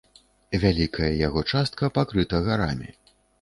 Вялікая яго частка пакрыта гарамі.